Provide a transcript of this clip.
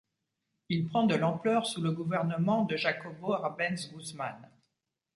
Il prend de l'ampleur sous le gouvernement de Jacobo Arbenz Guzmán.